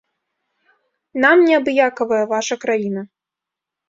Нам не абыякавая ваша краіна.